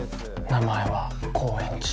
名前は高円寺。